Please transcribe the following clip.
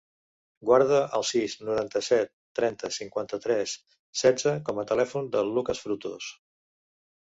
Guarda el sis, noranta-set, trenta, cinquanta-tres, setze com a telèfon del Lukas Frutos.